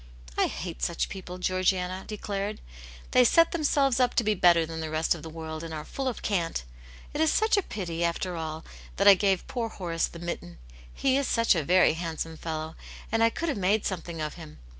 ^ I hate such people," Georgiana declared. " They set themselves up to be better than the rest of the world, and are full of cant. It is such a pity, after all, that I gave poor Horace the mitten. He is such a very handsome fellow, and I could have made something of him.